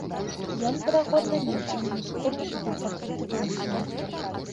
Ён, верагодна, меў цёмную скуру і быў пакрыты валасамі.